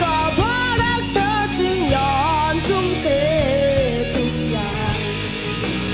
มันง่ายเกินไปใช่ไหมที่ฉันยอมชุมเททุกอย่าง